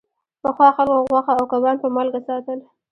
پخوا خلکو غوښه او کبان په مالګه ساتل.